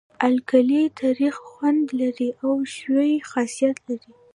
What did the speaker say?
القلي تریخ خوند لري او ښوی خاصیت لري.